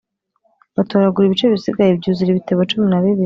batoragura ibice bisigaye byuzura ibitebo cumi na bibiri